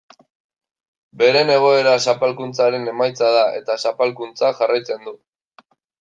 Beren egoera zapalkuntzaren emaitza da eta zapalkuntzak jarraitzen du.